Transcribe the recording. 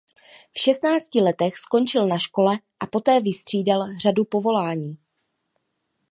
V šestnácti letech skončil na škole a poté vystřídal řadu povolání.